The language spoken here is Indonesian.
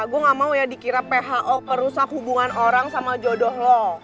gue gak mau ya dikira pho merusak hubungan orang sama jodoh lo